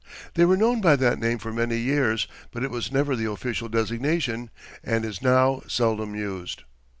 They were known by that name for many years, but it was never the official designation, and is now seldom used.